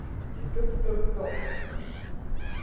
tuttuttuq